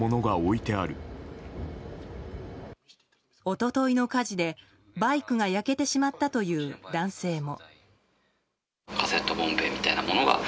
一昨日の火事でバイクが焼けてしまったという男性も。